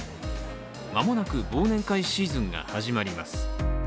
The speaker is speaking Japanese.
間もなく忘年会シーズンが始まります。